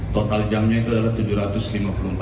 total jamnya itu adalah rp tujuh ratus lima puluh empat jam